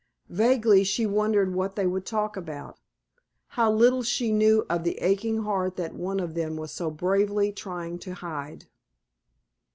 Vaguely she wondered what they would talk about. How little she knew of the aching heart that one of them was so bravely trying to hide.